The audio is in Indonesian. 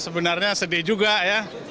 sebenarnya sedih juga ya